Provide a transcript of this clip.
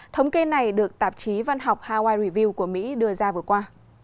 thống kê này được tạp chí văn học hawai review của mỹ đưa ra vừa qua